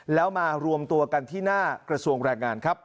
แล้วมารวมตัวกันที่หน้ากระทรวงแรงงานครับ